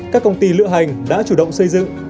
các công ty lựa hành đã chủ động xây dựng